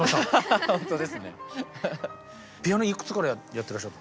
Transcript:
ピアノいくつからやってらっしゃるの？